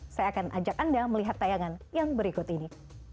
saya akan ajak anda melihat tayangan yang berikut ini